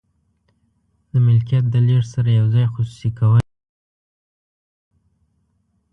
د ملکیت د لیږد سره یو ځای خصوصي کول.